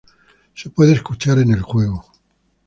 Se puede escuchar en el juego.